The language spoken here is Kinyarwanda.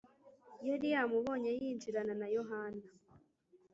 yari yamubonye yinjirana na yohana,